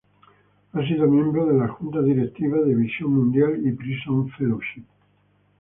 Ha sido miembro de las Juntas Directivas de Visión Mundial y Prison Fellowship.